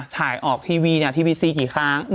ถ่ายออกทีวีทีวีซีกี่ครั้ง